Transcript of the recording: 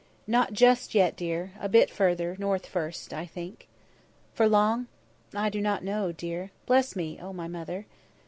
"Not just yet, dear; a bit further North first, I think." "For long?" "I do not know, dear. Bless me, O my mother."